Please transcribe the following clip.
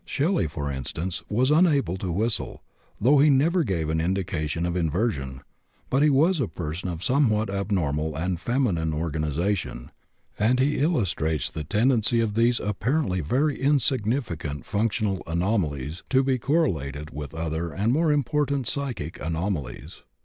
Shelley, for instance, was unable to whistle, though he never gave an indication of inversion; but he was a person of somewhat abnormal and feminine organization, and he illustrates the tendency of these apparently very insignificant functional anomalies to be correlated with other and more important psychic anomalies.